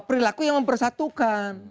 perilaku yang mempersatukan